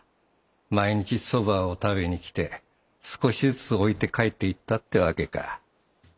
毎日そばを食べに来て少しずつ置いて帰っていったって訳か。